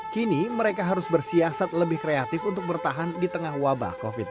kini mereka harus bersiasat lebih kreatif untuk bertahan di tengah wabah covid sembilan belas